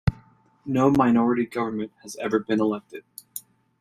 No minority government has ever been elected.